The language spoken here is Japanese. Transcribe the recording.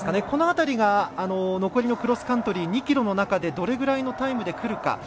この辺りが、残りのクロスカントリー２ｋｍの中でどれぐらいのタイムでくるか。